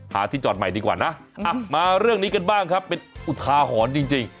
ที่จอดใหม่ดีกว่านะมาเรื่องนี้กันบ้างครับเป็นอุทาหรณ์จริง